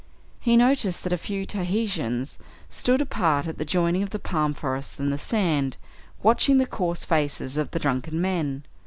He noticed that a few Tahitians stood apart at the joining of the palm forests and the sand, watching the coarse faces of the drunken men.